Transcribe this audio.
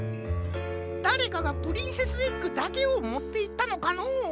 だれかがプリンセスエッグだけをもっていったのかのう？